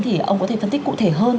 thì ông có thể phân tích cụ thể hơn